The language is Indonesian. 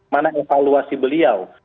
mana evaluasi beliau